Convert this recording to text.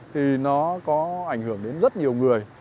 thì nó có ảnh hưởng đến rất nhiều người